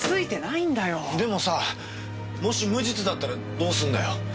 でもさもし無実だったらどうすんだよ？